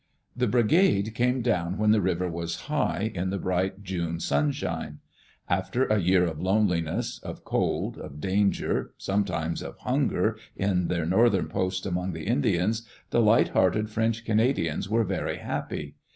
The Brigade came down when the river was high, in the bright June sunshine. After a year of loneliness, of cold, of danger, sometimes of hunger, in their northern posts among the Indians, the light hearted French Canadians were very happy.